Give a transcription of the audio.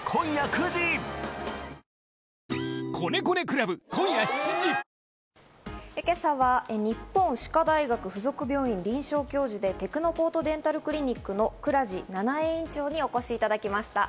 顎関節症かどうか、自分でで今朝は日本歯科大学附属病院臨床教授でテクノポートデンタルクリニックの倉治ななえ院長にお越しいただきました。